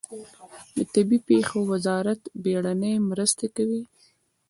د طبیعي پیښو وزارت بیړنۍ مرستې کوي